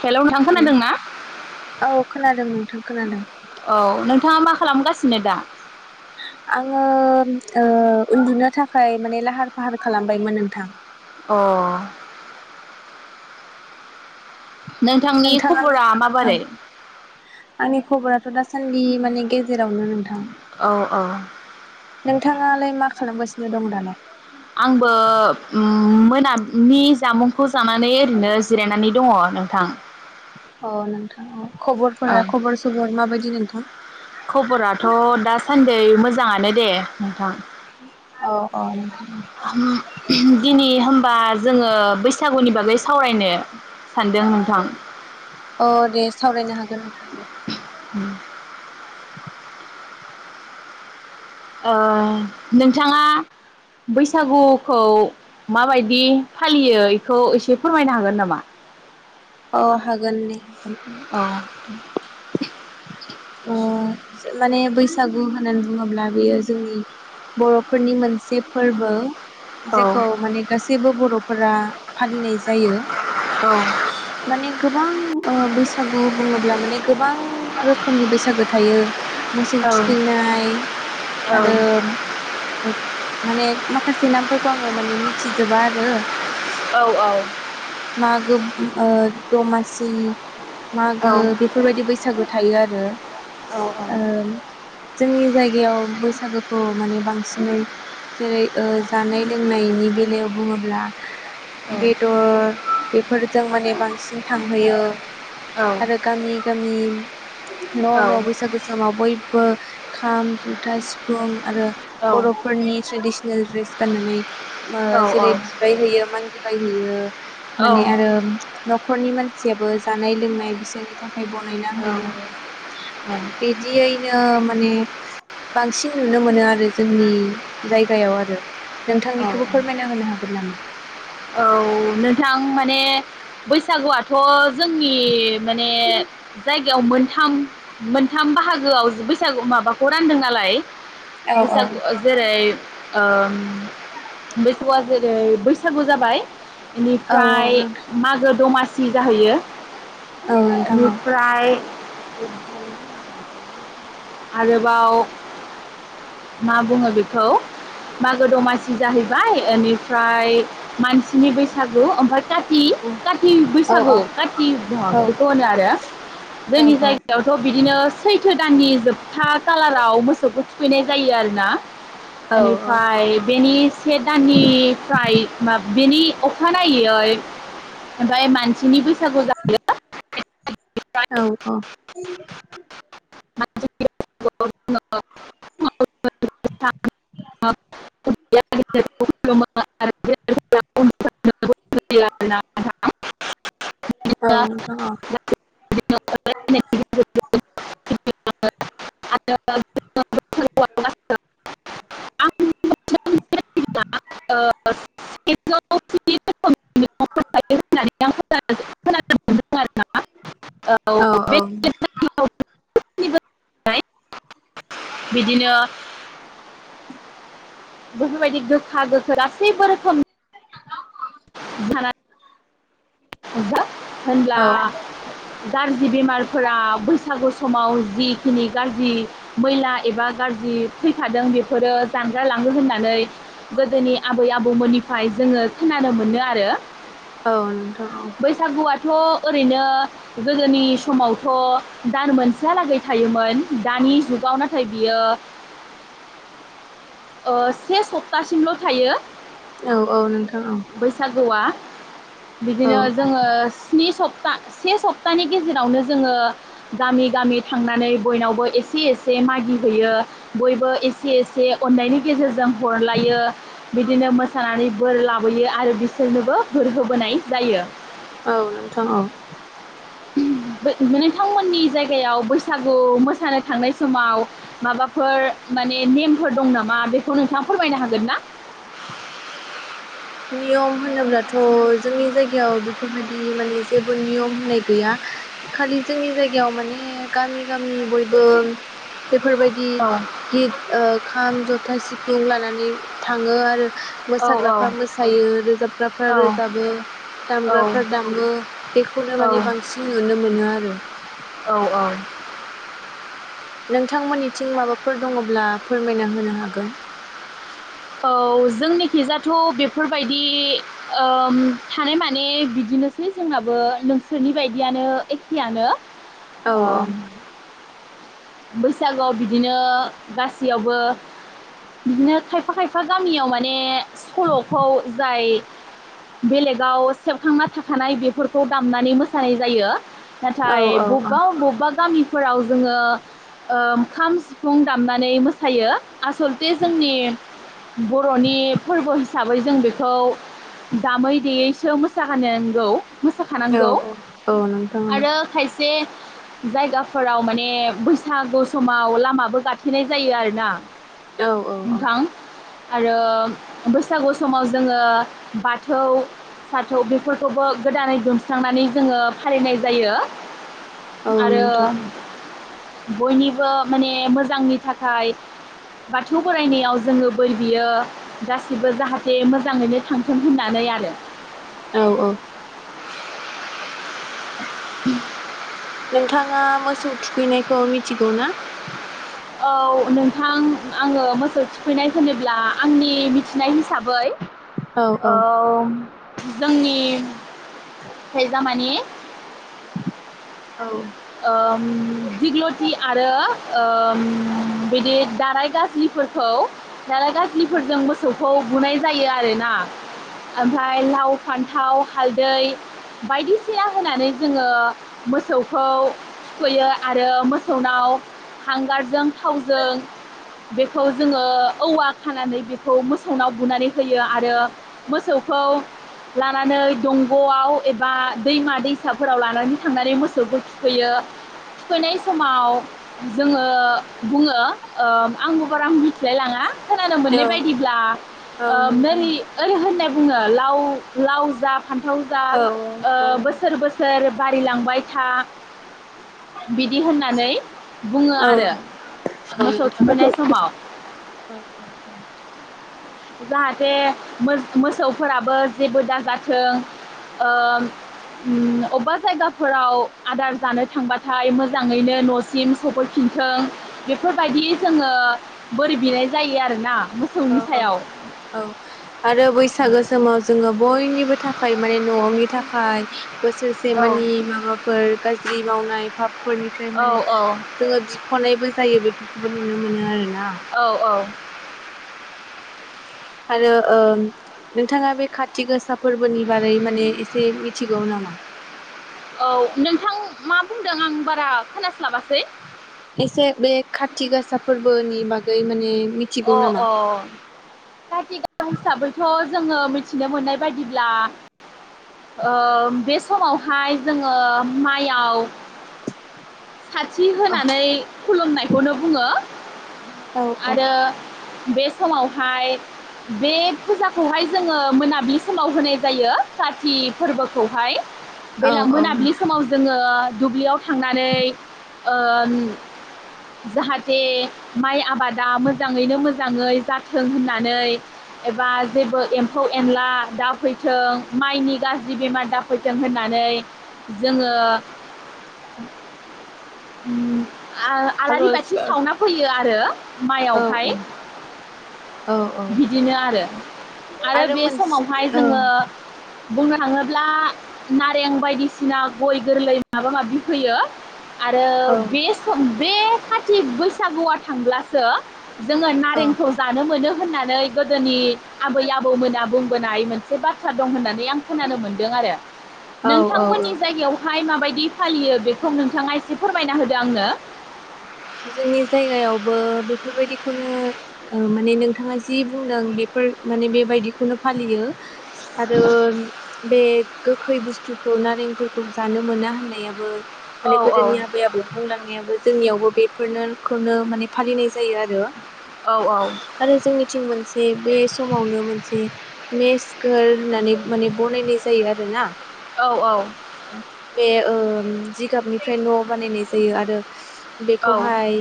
Hello नोंथां hello खोनादोंना औ खोनादों नोंथां खोनादों । औ नोंथाङा मा खालामगासिनो दा? आङो ओ उन्दुनो थाखाय माने लाहार फाहार खालामबायमोन नोंथां । अ नोंथांनि नोंथाङालाय खबरा माबारै? थ' दासान्दि माने गेजेरावनो नोंथां । औ औ । नोंथाङालाय मा खालामगासिनो दङ दालाय? आंबो मोनानि जामुंखौ जानानै ओरैनो जिरायनानै दङ नोंथां अ नोंथां अ औ खबरफोरा खबर सबर माबायदि नोंथां दै मोजाङानो दे नोंथां अ अ नोंथां दिनै होमबा जोङो ङो बैसागुनि बागै सावरायनो सानदों नोंथां अ दे सावरायनो हा गोन नोंथां उम अ नोंथाङा बैसागुखौ माबायदि फालियो एखौ एसे फोरमायनो हागोन नामा? अ हागोन दे हागोन औ [unintelligible] ओ माने बैसागु होननानै बुङोब्ला बेयो जोंनि बरफोरनि मोनसे फोरबो जेखौ माने गासैबो बर'फोरा फालिनाय जायो माने गोबां ओ बैसाग बैसागु बुङोब्ला माने गोबां रो खोमनि बैसागो थायो मोसौ थुखैनाय आरो माने माखासे नामफोरखौ आङो माने मिथिजोबा आरो मागु ओ दमासि मागो बेफोरबायदि बैसागु थायो आरो ओ जोंनि जायगायाव बै सागोखौ माने बांसिनै जेरै जानाय लोंनायनि बेलायाव बुङोब्ला बेदर बेफोरजों माने बांसिन थांहोयो आरो गामि गामि न' न' बैसागु समाव बयबो खाम जथा सिफुं आरो बर'फोरनि ट्रेडिसनेल ड्रेस गाननानै ओ औ जेरै बिबाय होयो मांगिबायहोयो औ माने आरो नखरनि मानसि जेबो जानाय लोंनाय बिसोरनि थाखाय [unintelligible] बनायना होयो। बिदियैनो माने बांसिन नुनो मोनो आरो जोंनि जायगायाव आरो औ नोंथांनिखौबो फोरमायना होनो हागोन नामा? औ नोंथां माने बैसागुआथ' जोंनि माने जायगायाव मोनथाम‌ मोनथाम बाहागोआव बैसागु माबाखौ रानदों नालाय। औ औ बैसागु जेरै ओम बैसागुआ जेरै बैसागु जाबाय औ औ बेनिफ्राय नोंथां मागो दमासि सि जाहैयो औ नोंथां औ निफ्राय [unintelligible] आरोबाव मा बुङो बेखौ मागो दमासि जाहैबाय ओनिफ्राय मानसिनि बैसागु ओमफ्राय काति काति औ बैसागु काति औ महाग बेखौ होनो आरो औ जोंनि जायगायावथ' बिदिनो सैथो दाननि जोब का-कालाराव मोसौखौ थुखैनाय नाय जायो आरो ना औ नोंथां औ औ बेनिफ्राय बेनि से दाननिफ्राय मा बेनि अखानायैय ओमफ्राय मानसि नि बैसागु जाहैयो। औ औ [unintelligible] [unintelligible] [unintelligible] [unintelligible] औ नोथां औ [unintelligible] [inaudible] [unintelligible] औ औ बिदिनो बेफोरबायदि गोखा गोखो गासैबो रोखोम खानानै ह [unintelligible] होनब्ला औ गाज्रि बेमारफोरा बैसागु समाव जिखिनि गाज्रि मैला एबा गाज्रि फैखादों बेफोरो जानगार लाङो होननानै गोदोनि आबै आबौ आबौमोननिफ्राय जोङो खोनानो मोनो आरो। औ नोंथां औ। थ' ओरैनो गोदोनि समावथ' दान मोनसेहालागै थायोमोन दानि जुगाव नाथाय बियो ओ से सप्तासिमल' थायो। औ औ नोंथां औ। बैसागुआ बिदिनो जोङो स्नि सप्त सा से सप्तानि गेजेरावनो जोङो गामि गामि थांनानै बयनावबो एसे एसे मागिहैयो बयबो एसे एसे अननायनि गेजेरजों हरलायो बिदिनो मोसानानै बोर लाबोयो आरो सोरनोबो बोर होबोनाय जायो। औ नोंथां औ। ओहोम बो-नोंथांमोननि जायगायाव बैसागु मोसानो थांनाय समाव माबाफोर माने नेमफोर दं नामा बेखौ नोंथाङा फोरमायनो हागोन ना? नियम होनोब्लाथ' जोंनि जायगायाव बेफोरबायदि माने जेबो नियम होननाय गैया खालि जोंनि जायगायाव माने गामि गामि बयबो बेफोरबायदि औ गित ओ खाम, जथा, सिफुं लानानै थाङो आरो औ मोसाग्राफ औ फोरा मोसायो रोजाबग्राफ्रा औ रोजाबो, औ दामग्राफ्रा दामो बेखौनो औ माने बांसिन नुनो मोनो आरो। औ औ नोंथांमोननिथिं माबाफोर दङब्ला फोरमायना होनो हागोन। औ जोंनिखिजाथ' बेफोरबायदि ओ थानाय माने बिदिनोसै जोंनाबो नोंसोरनि बायदियानो एखेयानो। औ अ। औ बैसागोआव बिदिनो गासैयावबो बिदिनो खायफा खायफा गामियाव माने सल'खौ जाय बेलेगाव सेबखांना थाखानाय बेफोरखौ दामनानै मोसानाय जायो। औ बाथाय औ बबबा बबबा गामि फोराव जोङो ओ खाम, सिफुं दामनानै मोसायो। आसलथे जोंनि बर'नि फोरबो हिसाबै जों बेखौ दामै देयैस । सो मोसाहानोंगौ। औ मोसाखानांगौ औ नोंथां आरो खायसे जायगाफोराव माने बैस सागु समाव लामाबो गाथेनाय जायो आरो ना। औ औ औ नोंथां। आरो बैसागु समाव जोङो बाथौ साथौ बेफोरखौबो गोदानै दुमस्रांनानै जोङो फालिनाय जायो। औ आरो नोंथां बयनिबो माने मोजांनि थाखाय बाथौ बोरायनायाव जोङो बै बियो गासिबो जाहाथे मोजाङैनो थांथों होननानै आरो औ औ [inaudible] नोंथाङा मोसौ थुखैनायखौ मिथिगौ ना? औ नोंथां आङो मोसौ थिखैनाय होनोब्ला आंनि मिथिनाय हिसाबै औ जोंनि थायजा माने औ आ दिग्ल'थि आरो ओम बिदि दानाय गाज्रिफोरखौ दाराय गाज्लिफोरजों मोसौखौ बुनाय जायो आरो ना ओमफ्राय लाव फान्थाव हालदै बायदिसिना होनानै जोङो मोसौ खौ थुखैयो आरो मोसौनाव हांगारजों थावजों बेखौ जोङो औवा खानानै बेखौ मोसौनाव बुनानै होयो आरो मोसौखौ लानानै दंग'आव एबा दैमा दैसाफोराव लानानै थांनानै मोसौ थुखैयो थुखैनाय समाव जोङो बुङो आंबो बारा मिथिलाय लाङा खोनानो औ मोननाय बायदिब्ला औ ओ नोंथां मोरि ओरै होननाय बुङो लाव लाव जा फान्थाव जा औ ओ औ बोसोर बोसोर बारिलांबाय था बिदि होननानै बुङो औ नोंथां औ आरो मोसौ थुखैनाय समाव जाहाथे मोसौफोराबो जेबो दाजाथों अबेबा जायगाफोराव आदार जानो थांबाथाय मोजाङैनो न'सिम सफैफिनथों बेफोरबायदि जोङो बोर बिनाय जायो आरोना औ मोसौनि सायाव औ आरो बैसागो समाव जोङो ब बयनिबो थाखाय माने नव'नि थाखाय बोसोरसे औ मानि माबाफोर गाज्रि मावनाय फाबफोरनिफ्राय औ माने औ जोङो बिख'नायबो जायो बेफोरखौबो नुनो मोनो बि आरो- औ औ आरो नोंथाङा बे काति गोसा फोरबोनि बारै माने एसे मिथिगौ नामा औ नोंथां मा बुंदों आं बारा खोनास्लाबासै एसे बे खाथि गासा फोरबोनि बागै माने मिथिगौ अ नामा? अ खाथि गसाखौथ' जोङो मिथिनो मोननाय बायदिब्ला बे समावहाय जोङो माइयाव साथि औ होनानै खुलुमनायखौनो बुङो औ औ आरो बे समावहाय बे फुजाखौहाय जोङो मोनाबिलि समाव होनाय जायो काति फोरबोखौहाय औ बेलां औ मोनाब्लि नोंथां समाव जोङो दुब्लियाव थांनानै ओ जाहाथे माइ आबादा मोजाङैनो मोजाङै जाथों होननानै एबा जेबो एम्फौ-एनला दाफैथों माइनि गाज्रि बेमार दाफैथों होननानै जोङो आ आलारि आर'ज बाथि सावना औ फैयो आर दो हाय औ औ औ बिदिनो आरो आरो बे मोनसे समावहाय औ जोङो बुंनो थाङोब्ला नारें बायदिसिना गय गोरलै माबा-माबि फोयो आरो औ बे सम बे खाथि बैसागुआ थांब्लासो जोङो औ नारेंखौ जानो मोनो होननानै गोदोनि आबै-आबौमोना बुं बोनाय मोनसे बाथ्रा दं होननानै आं खोनानो मोनदों आरो औ औ नोंथांमोननि जायगायावहाय माबाय दि फालियो बेखौ नोंथाङा एसे फोरमायना होदो आंनो जोंनि जायगायावबो बेफोरबायदिखौनो ओ माने नोंथाङा जि बुंदों बेफोर माने बेबायदिखौनो फालियो आरो बे गोखै बुस्थुखौ नारेंफोरखौ जानो मोना होननायाबो माने औ गोदोनि औ आबै-आबौ बुंलांनायाबो जोंनियावबो बे फोरनोर खौनो माने फालिनाय जा जायो आरो औ औ आरो जोंनिथिं मोनसे बे समावनो मोनसे मेसगार होननानै माने बनायनाय जायो आरो ना औ औ बे ओ जिगाबनिफ्राय न' बानायनाय जायो आरो औ बेखौहाय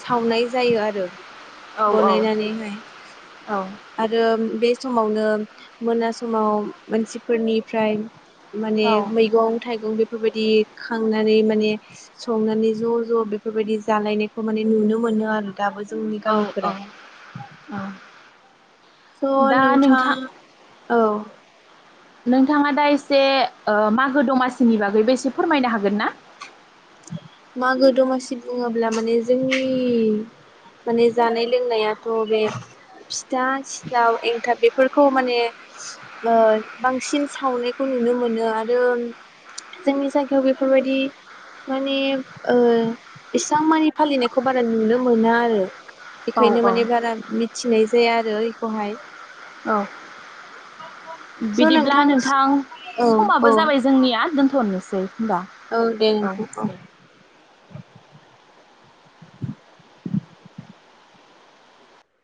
सावनाय जायो आरो बनायनानैहाय आरो बे समावनो मोना समाव मानसिफोरनिफ्राय माने औ मैख थाइगं बेफोरबायदि खांनानै माने संनानै ज' ज' बेफोरबायदि जालायनायखौ माने नुनो मोनो आरो दाबो जोंनि औ औ औ गामिफोराव स' नोंथां औ नोंथाङा दा एसे ओ मागो दमासिनि बागैबो एसे फोरमायनो हागोन ना मागो दमासि बुङोब्ला माने जोंनि माने जानाय लोंनायाथ बे था सिथाव एनथाब बे बेफोरखौ माने ओ बांसिन सावनायखौ नुनो मोनो आरो जोंनि जायगायाव बेफोरबायदि माने ओ एसाम मानि फालिनायखौ बारा नुनो मोना आरो औ बेखायनो औ माने बारा मिथिनाय जाया आरो इखौहाय औ बिदिब्ला नोंथां औ औ समाबो जाबाय जोंनिया दोनथ थनोसै औ दे नोंथां औ